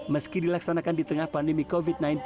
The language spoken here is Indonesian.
meski dilaksanakan di tengah pandemi covid sembilan belas